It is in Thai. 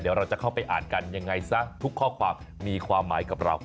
เดี๋ยวเราจะเข้าไปอ่านกันยังไงซะทุกข้อความมีความหมายกับเรา